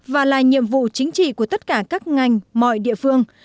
và là nhiệm vụ chính trị của tất cả các ngành mọi địa phương